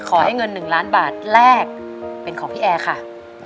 ขอให้เงิน๑ล้านบาทแรกเป็นของพี่แอร์ค่ะ